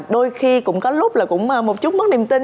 đôi khi cũng có lúc là cũng một chút mất niềm tin